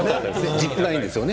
ジップラインですよね。